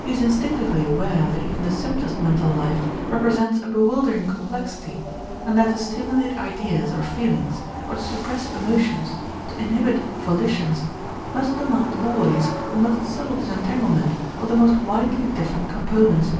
He is instinctively aware that even the simplest mental life represents a bewildering complexity and that to stimulate ideas or feelings or to suppress emotions, to inhibit volitions, must demand always a most subtle disentanglement of the most widely different components.